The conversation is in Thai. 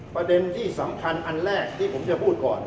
ประเด็นที่สำคัญอันแรกที่ผมจะพูดก่อน